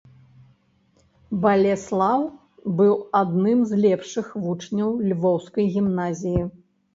Балеслаў быў адным з лепшых вучняў львоўскай гімназіі.